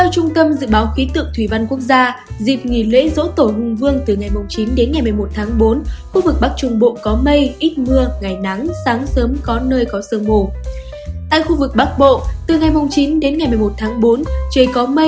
các bạn hãy đăng ký kênh để ủng hộ kênh của chúng mình nhé